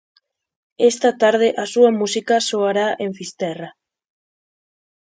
Esta tarde a súa música soará en Fisterra.